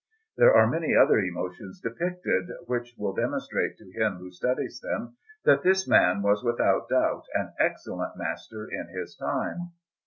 There are many other emotions depicted, which will demonstrate to him who studies them that this man was without doubt an excellent master in his time.